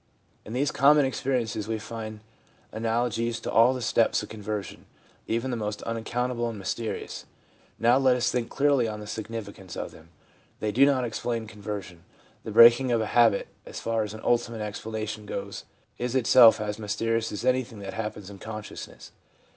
In these common experiences we find analogies to all the steps of conversion, even the most unaccountable and mysterious. Now let us think clearly on the significance of them. They do not explain conversion. The breaking of a habit, as far as ultimate explanation goes, is itself as mysterious as anything that happens in consciousness.